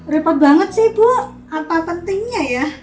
repot banget sih bu apa pentingnya ya